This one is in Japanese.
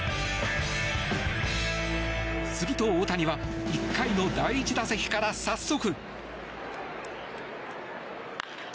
すると、大谷は１回の第１打席から早速。